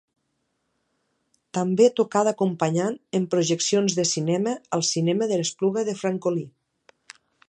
També tocà d'acompanyant en projeccions de cinema al cinema de l'Espluga de Francolí.